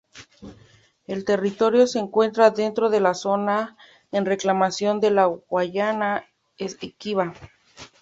El territorio se encuentra dentro de la zona en reclamación de la Guayana Esequiba.